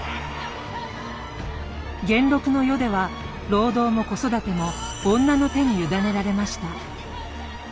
元禄の世では労働も子育ても女の手に委ねられました。